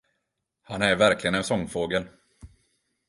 Han är verkligen en sångfågel.